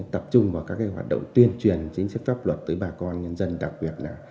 tập trung vào các hoạt động tuyên truyền chính sách pháp luật tới bà con nhân dân đặc biệt là